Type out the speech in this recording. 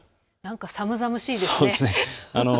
寒々しいですね。